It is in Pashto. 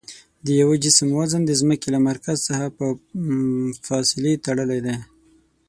د یوه جسم وزن د ځمکې له مرکز څخه په فاصلې تړلی دی.